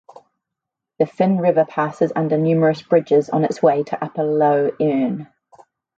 The Finn River passes under numerous bridges on its way to Upper Lough Erne.